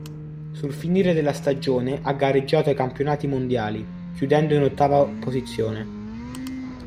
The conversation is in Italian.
Sul finire della stagione ha gareggiato ai campionati mondiali, chiudendo in ottava posizione.